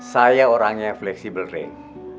saya orangnya fleksibel rey